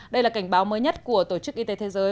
đây là cảnh báo mới nhất của tổ chức y tế thế giới